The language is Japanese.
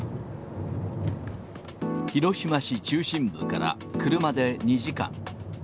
広島市中心部から車で２時間。